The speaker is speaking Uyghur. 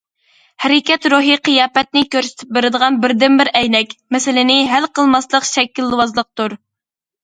ھەرىكەت روھىي قىياپەتنى كۆرسىتىپ بېرىدىغان بىردىنبىر ئەينەك، مەسىلىنى ھەل قىلماسلىق شەكىلۋازلىقتۇر.